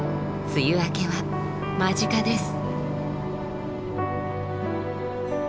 梅雨明けは間近です。